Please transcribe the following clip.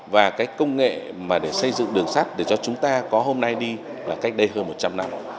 và cái công nghệ mà để xây dựng đường sắt để cho chúng ta có hôm nay đi là cách đây hơn một trăm linh năm